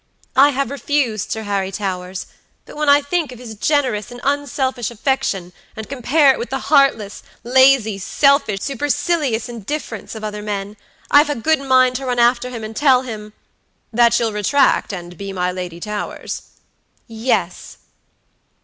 I have refused Sir Harry Towers; but when I think of his generous and unselfish affection, and compare it with the heartless, lazy, selfish, supercilious indifference of other men, I've a good mind to run after him and tell him" "That you'll retract, and be my Lady Towers?" "Yes."